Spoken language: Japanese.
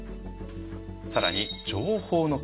更に情報の壁。